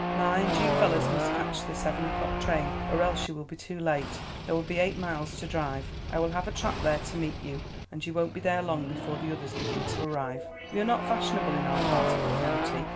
"Mind, you fellows must catch the seven o'clock train, or else you will be too late. There will be eight miles to drive; I will have a trap there to meet you, and you won't be there long before the others begin to arrive. We are not fashionable in our part of the county.